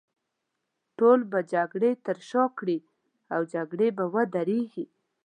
ټول به جګړې ته شا کړي، او جګړه به ودرېږي.